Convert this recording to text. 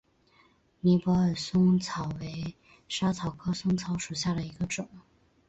尼泊尔嵩草为莎草科嵩草属下的一个种。